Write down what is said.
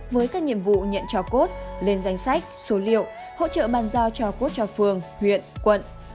với các nhiệm vụ nhận cho cốt lên danh sách số liệu hỗ trợ bàn giao cho cốt cho phường huyện quận